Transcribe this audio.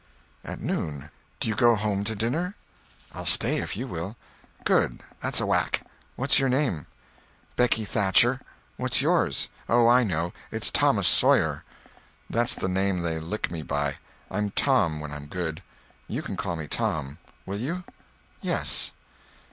"At noon. Do you go home to dinner?" "I'll stay if you will." "Good—that's a whack. What's your name?" "Becky Thatcher. What's yours? Oh, I know. It's Thomas Sawyer." "That's the name they lick me by. I'm Tom when I'm good. You call me Tom, will you?" "Yes."